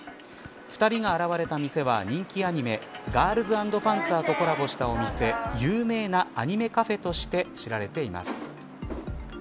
２人が現れた店は人気アニメガールズ＆パンツァーとコラボしたお店有名なアニメカフェとして知られています。